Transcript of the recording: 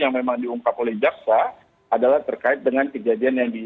yang memang diungkap oleh jaksa adalah terkait dengan kejadian yang di